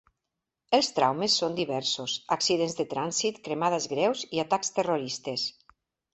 Els traumes són diversos, accidents de trànsit, cremades greus, i atacs terroristes.